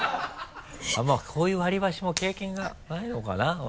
あんまこういう割り箸も経験がないのかな？